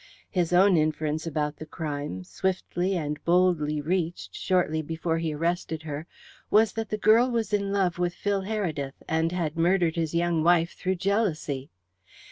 His own inference about the crime, swiftly and boldly reached shortly before he arrested her, was that the girl was in love with Phil Heredith, and had murdered his young wife through jealousy.